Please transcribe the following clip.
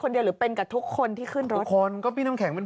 หรือเป็นกับทุกคนที่ขึ้นรถทุกคนก็พี่น้ำแข็งเป็น